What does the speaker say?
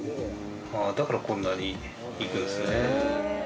だからこんなにいくんすね。